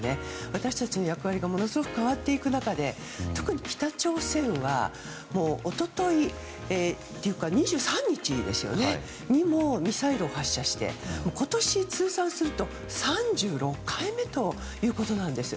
私たちの役割がものすごく変わっていく中で特に北朝鮮は一昨日というか２３日にもミサイルを発射して今年通算すると３６回目ということなんです。